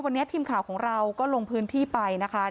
วันนี้ทีมข่าวของเราก็ลงพื้นที่ไปนะคะ